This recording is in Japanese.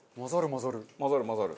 混ざる混ざる。